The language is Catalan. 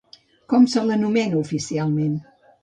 Com se l'anomena oficialment?